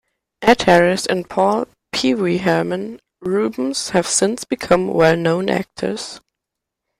Ed Harris and Paul "Pee-wee Herman" Reubens have since become well known actors.